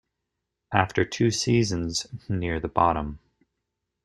After two seasons near the bottom.